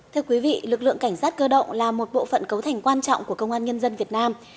thưa quý vị lực lượng cảnh sát cơ động là một bộ phận cấu thành quan trọng của công an nhân dân việt nam